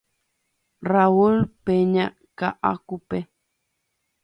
Raúl Peña Kaʼakupe.